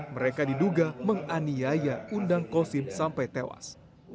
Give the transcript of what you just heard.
mereka diduga menganiaya undang kosim sampai tewas